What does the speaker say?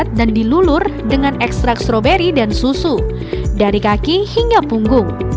pertama anda akan dilulur dengan ekstrak stroberi dan susu dari kaki hingga punggung